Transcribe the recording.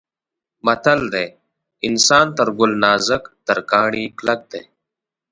متل دی: انسان تر ګل نازک تر کاڼي کلک دی.